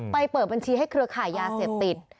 เปิดบัญชีให้เครือขายยาเสพติด